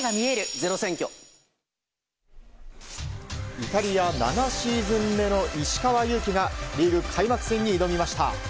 イタリア７シーズン目の石川祐希がリーグ開幕戦に挑みました。